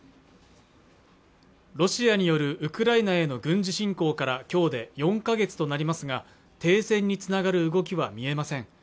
ロシアによるウクライナへの軍事侵攻からきょうで４か月となりますが停戦につながる動きは見えません